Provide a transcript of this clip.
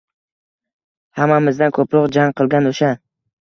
Hammamizdan ko’proq «jang» qilgan o’sha